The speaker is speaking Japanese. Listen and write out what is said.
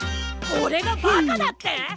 おれがバカだって！？